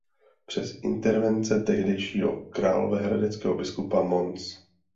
Přes intervence tehdejšího královéhradeckého biskupa Mons.